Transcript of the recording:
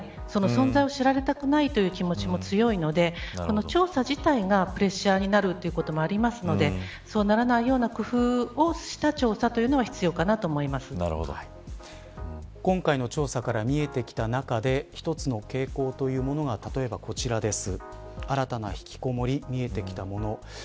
存在を知られたくないという気持ちも強いのでこの調査自体がプレッシャーになることもあるのでそうならないような工夫をした調査というのは今回の調査から見えてきた中で一つの傾向というものが例えばこちらです。